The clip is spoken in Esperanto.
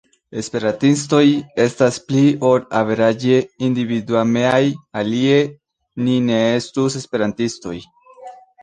Esperantistoj estas pli ol averaĝe individuemaj alie ni ne estus esperantistoj.